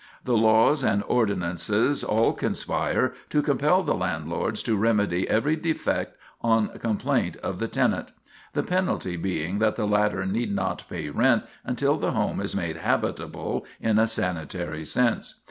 The laws and ordinances all conspire to compel the landlords to remedy every defect on complaint of the tenant; the penalty being that the latter need not pay rent until the home is made habitable in a sanitary sense.